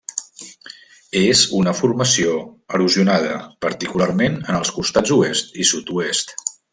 És una formació erosionada, particularment en els costats oest i sud-oest.